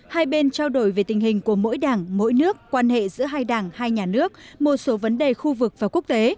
hai bên trao đổi về tình hình của mỗi đảng mỗi nước quan hệ giữa hai đảng hai nhà nước một số vấn đề khu vực và quốc tế